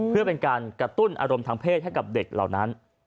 เพื่อเป็นการกระตุ้นอารมณ์ทางเพศให้กับเด็กเหล่านั้น